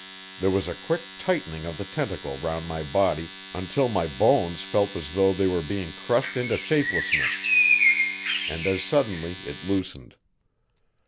There was a quick tightening of the tentacle round my body until my bones felt as though they were being crushed into shapelessness; and as suddenly it loosened.